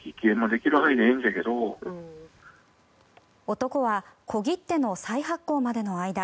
男は小切手の再発行までの間